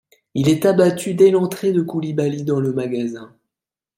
Il est abattu dès l'entrée de Coulibaly dans le magasin.